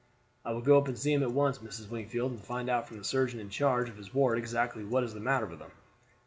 "I will go up and see him at once, Mrs. Wingfield, and find out from the surgeon in charge of his ward exactly what is the matter with him."